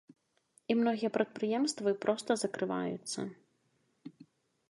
І многія прадпрыемствы проста закрываюцца.